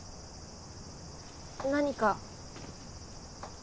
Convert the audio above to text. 何か？